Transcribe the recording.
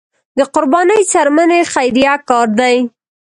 د قربانۍ څرمنې خیریه کار دی